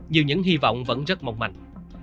dù những hy vọng vẫn rất mong mạnh